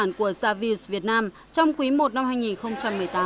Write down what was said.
tổng quan sản của savius việt nam trong quý i năm hai nghìn một mươi tám